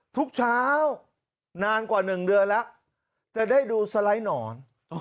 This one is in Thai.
ทุกเช้านานกว่า๑เดือนแล้วจะได้ดูสไลด์หนอน